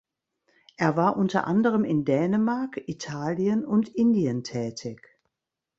Er war unter anderem in Dänemark, Italien und Indien tätig.